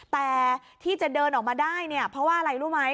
แต่ที่จะเดินออกมาได้เนี่ยเพราะว่าอะไรรู้ไหม